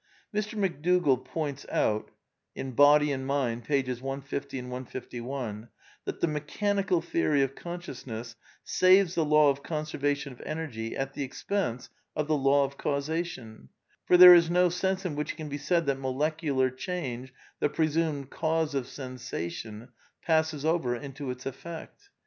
Mr. McDougall points out {Body and Mind, Pages 150, 151) that the mechanical theory v^ of consciousness saves the law of conservation of energy a1r\ the expense of the law of causation ; for there is no sense in which it can be said that molecular change, the presumed " cause " of sensation, passes over into its effect.